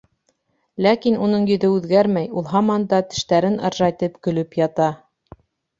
Ләкин уның йөҙө үҙгәрмәй, ул һаман да тештәрен ыржайтып көлөп ята.